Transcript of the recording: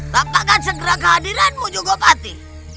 tapakan segera kehadiranmu jogopati